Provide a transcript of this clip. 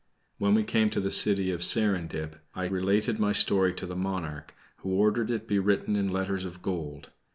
When we came to the city of Serindib, I related my story to the monarch, who ordered it to be written in letters of gold.